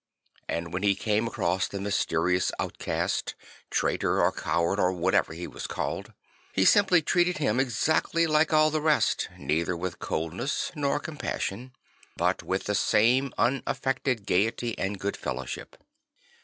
And \vhen he came across the mysterious outcast, traitor or coward or whatever he was called, he simply treated him exactly like all the rest" neither with coldness nor compassion, but with the same unaffected gaiety and good fellowship.